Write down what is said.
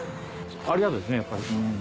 ありがたいですねやっぱり。